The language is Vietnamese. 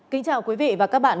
kính chào quý vị và các bạn